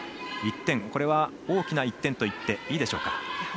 １点、これは大きな１点といっていいでしょうか？